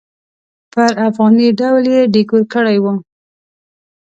پر افغاني ډول یې ډیکور کړی و.